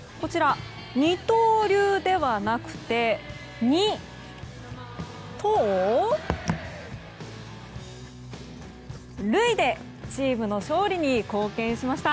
二刀流ではなくて、２盗塁でチームの勝利に貢献しました。